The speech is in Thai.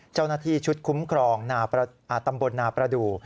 เจ้าหน้าที่ชุดคุ้มครองตำบลนาประดูก